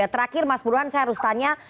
terakhir mas burhan saya harus tanya